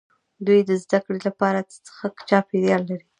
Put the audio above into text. دوی د زده کړې لپاره ښه چاپیریال لري.